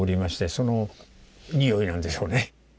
その臭いなんでしょうね。